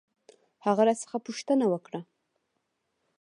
هغه راڅخه پوښتنه وکړ.